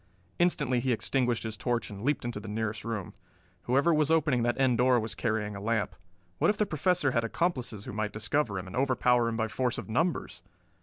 Instantly he extinguished his torch and leaped into the nearest room. Whoever was opening that end door was carrying a lamp. What if the Professor had accomplices who might discover him and overpower him by force of numbers!